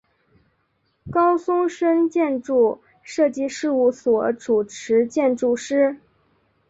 高松伸建筑设计事务所主持建筑师。